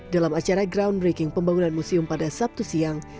dalam acara groundbreaking pembangunan museum pada sabtu siang